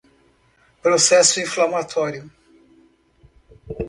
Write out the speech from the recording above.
Processo inflamatório